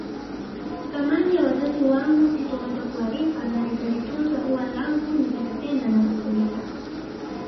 Thamani ya wazazi wangu sitoweza kuwalipa na nitalitunza ua langu nitakupenda na kukulinda